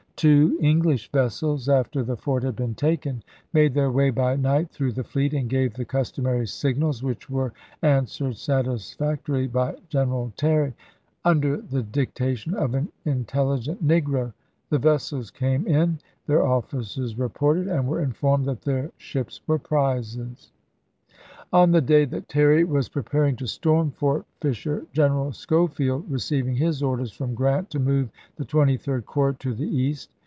Two English vessels after the fort had been taken made their way by night through the fleet and gave the customary signals, which were answered satisfactorily by General Terry, under the dictation of an intelligent negro; the vessels came in, their officers reported, and were informed that their ships were prizes. On the day that Terry was preparing to storm Jan. H,i865. Fort Fisher General Schofield received his orders from Grant to move the Twenty third Corps to the east.